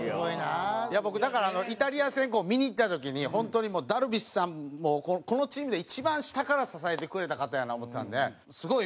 僕だからイタリア戦見に行った時に本当にダルビッシュさんもうこのチームで一番下から支えてくれた方やな思うてたんですごい